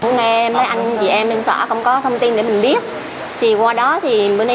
nghe mấy anh chị em lên xóa không có thông tin để mình biết